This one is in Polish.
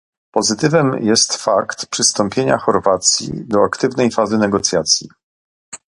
Pozytywem jest fakt przystąpienia Chorwacji do aktywnej fazy negocjacji